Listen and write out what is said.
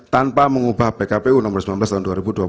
tanpa mengubah pkpu nomor sembilan belas tahun dua ribu dua puluh